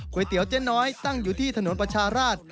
เตี๋ยวเจ๊น้อยตั้งอยู่ที่ถนนประชาราช